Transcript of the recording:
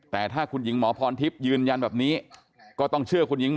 แต่ถ้าคุณหญิงหมอพรทิพย์ยืนยันแบบนี้ก็ต้องเชื่อคุณหญิงหมอ